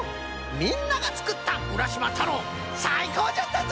みんながつくった「うらしまたろう」さいこうじゃったぞ！